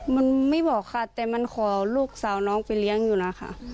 มันไม่บอกค่ะแต่มันขอลูกสาวน้องไปเลี้ยงอยู่นะคะ